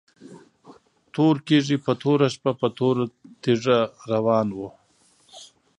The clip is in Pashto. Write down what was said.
تور کيږی په توره شپه په توره تيږه روان وو